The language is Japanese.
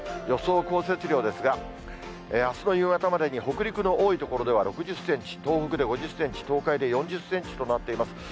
予想降雪量ですが、あすの夕方までに北陸の多い所では６０センチ、東北で５０センチ、東海で４０センチとなっています。